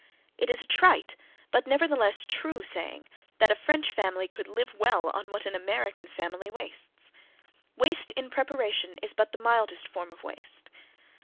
It is a trite, but nevertheless true saying that a French family could live well on what an American family wastes. Waste in preparation is but the mildest form of waste.